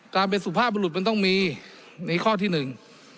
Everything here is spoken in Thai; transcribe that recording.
การเป็นสุภาพบรุษมันต้องมีในข้อที่หนึ่ง